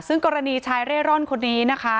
ซึ่งกรณีชายเร่ร่อนคนนี้นะคะ